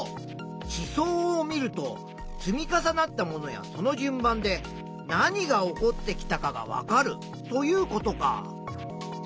地層を見ると積み重なったものやその順番で何が起こってきたかがわかるということか。